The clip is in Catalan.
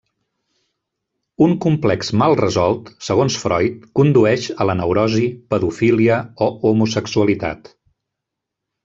Un complex mal resolt, segons Freud, condueix a la neurosi, pedofília o homosexualitat.